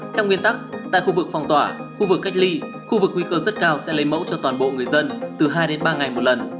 theo nguyên tắc tại khu vực phòng tỏa khu vực cách ly khu vực nguy cơ rất cao sẽ lấy mẫu cho toàn bộ người dân từ hai đến ba ngày một lần